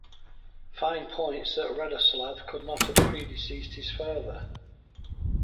Fine points that Radoslav could not have predeceased his father.